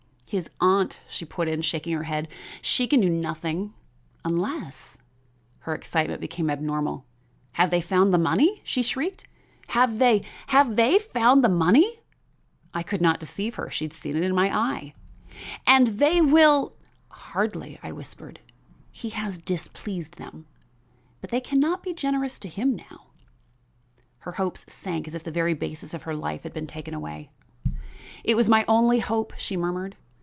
"His aunt," she put in, shaking her head. "She can do nothing, unless " Her excitement became abnormal. "Have they found the money?" she shrieked; "have they have they found the money?" I could not deceive her; she had seen it in my eye. "And they will " "Hardly," I whispered. "He has displeased them; they can not be generous to him now." Her hopes sank as if the very basis of her life had been taken away. "It was my only hope," she murmured.